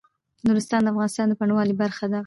نورستان د افغانستان د بڼوالۍ برخه ده.